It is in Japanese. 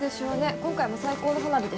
今回も最高の花火でしたから。